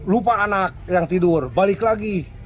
lupa anak yang tidur balik lagi